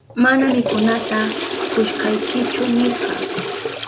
Mana mikunata kushkaykichu nirka.